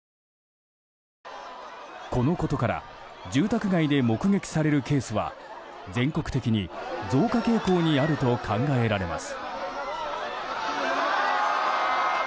このことから住宅街で目撃されるケースは全国的に増加傾向にあると考えられます。